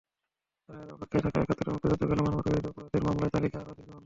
রায়ের অপেক্ষায় থাকা একাত্তরে মুক্তিযুদ্ধকালে মানবতাবিরোধী অপরাধের মামলার তালিকা আরও দীর্ঘ হলো।